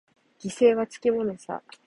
犠牲はつきものさ。